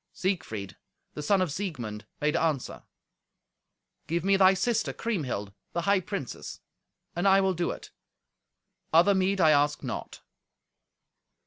Siegfried, the son of Siegmund, made answer, "Give me thy sister Kriemhild, the high princess, and I will do it. Other meed I ask not."